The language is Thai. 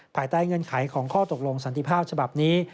ภายใต้เงื่อนไขของข้อตกลงสันติภาพฉบับนี้